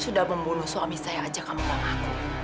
sudah membunuh suami saya ajak ambil anakku